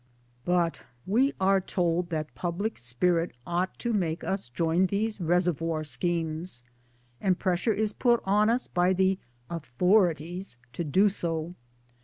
But we are told that public spirit ought to make us join these reservoir schemes ; and pressure is put on us by the ' authorities ' to do so.